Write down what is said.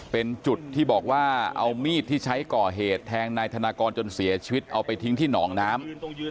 เป็นจุดที่บอกว่าเอามีดที่ใช้ก่อเหตุแทงนายธนากรจนเสียชีวิตเอาไปทิ้งที่หนองน้ำ